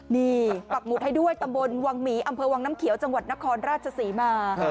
นี่ปักหมุดให้ด้วยตำบลวังหมีอำเภอวังน้ำเขียวจังหวัดนครราชศรีมา